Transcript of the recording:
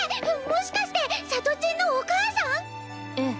もしかしてさとちんのお母さん⁉ええ。